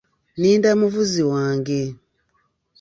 Ninda muvuzi wange.